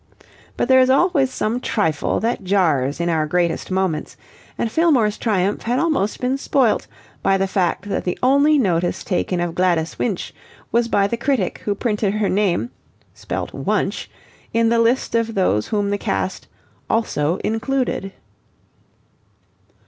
But there is always some trifle that jars in our greatest moments, and Fillmore's triumph had been almost spoilt by the fact that the only notice taken of Gladys Winch was by the critic who printed her name spelt Wunch in the list of those whom the cast "also included."